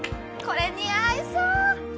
これ似合いそう。